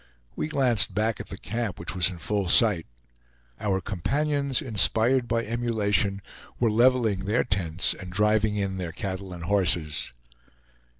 We glanced back at the camp, which was in full sight. Our companions, inspired by emulation, were leveling their tents and driving in their cattle and horses.